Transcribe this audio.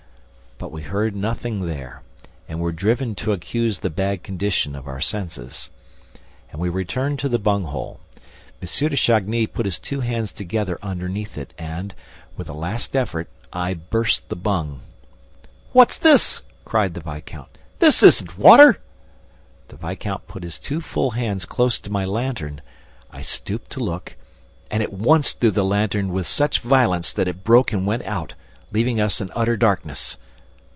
But we heard nothing there and were driven to accuse the bad condition of our senses. And we returned to the bung hole. M. de Chagny put his two hands together underneath it and, with a last effort, I burst the bung. "What's this?" cried the viscount. "This isn't water!" The viscount put his two full hands close to my lantern ... I stooped to look ... and at once threw away the lantern with such violence that it broke and went out, leaving us in utter darkness.